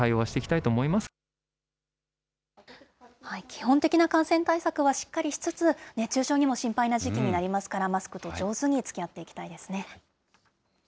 基本的な感染対策はしっかりしつつ、熱中症にも心配な時期になりますから、マスクと上手につきあって